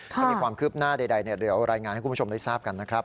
ถ้ามีความคืบหน้าใดเดี๋ยวรายงานให้คุณผู้ชมได้ทราบกันนะครับ